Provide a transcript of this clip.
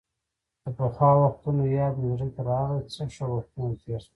د پخوا وختونو یاد مې زړه کې راغۍ، څه ښه وختونه تېر شول.